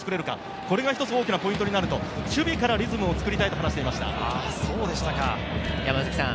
これが一つ大きなポイントになると守備からリズムをつくりたいと話していました。